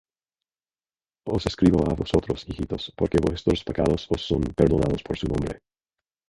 Os escribo á vosotros, hijitos, porque vuestros pecados os son perdonados por su nombre.